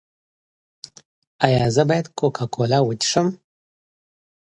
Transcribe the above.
ایا زه باید کوکا کولا وڅښم؟